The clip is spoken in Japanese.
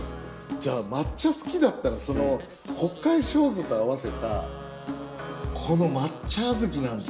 じゃあ抹茶好きだったらその北海小豆と合わせたこのマッチャアズキなんて。